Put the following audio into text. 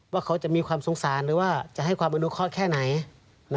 ว่าเขาจะมีความสงสารหรือว่าจะให้ความอนุเคราะห์แค่ไหน